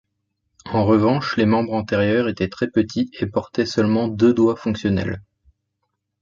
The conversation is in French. En revanche, les membres antérieurs étaient très petits et portaient seulement deux doigts fonctionnels.